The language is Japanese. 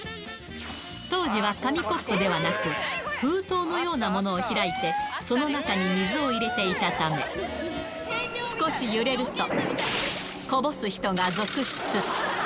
当時は紙コップではなく、封筒のようなものを開いて、その中に水を入れていたため、少し揺れると、こぼす人が続出。